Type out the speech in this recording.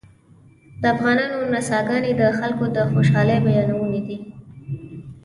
د افغانانو نڅاګانې د خلکو د خوشحالۍ بیانوونکې دي